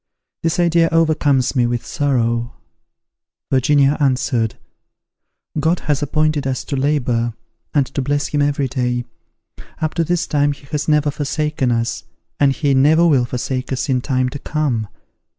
This idea overcomes me with sorrow." Virginia answered, "God has appointed us to labour, and to bless him every day. Up to this time he has never forsaken us, and he never will forsake us in time to come.